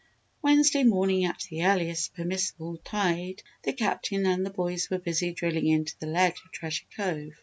Wednesday morning at the earliest permissible tide the Captain and the boys were busy drilling into the ledge of Treasure Cove.